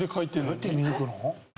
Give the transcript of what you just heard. どうやって見抜くの？